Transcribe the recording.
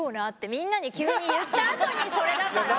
みんなに急に言ったあとにそれだから。